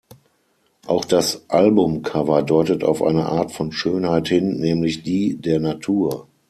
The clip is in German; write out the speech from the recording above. Auch das Albumcover deutet auf eine Art von Schönheit hin, nämlich die der Natur.